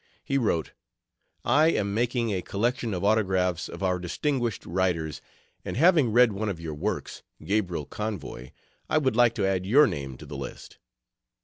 He wrote: "I am making a collection of autographs of our distinguished writers, and having read one of your works, Gabriel Convoy, I would like to add your name to the list."